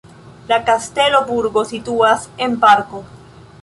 La kastelo-burgo situas en parko.